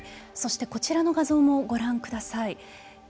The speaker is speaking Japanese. そして、こちらの画像もご覧ください。